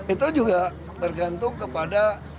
itu juga tergantung kepada